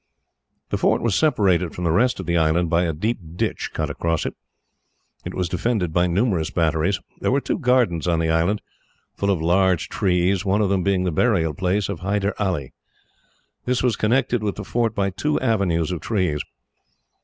The fort was separated from the rest of the island by a deep ditch cut across it. It was defended by numerous batteries. There were two gardens on the island, full of large trees, one of them being the burial place of Hyder Ali. This was connected with the fort by two avenues of trees.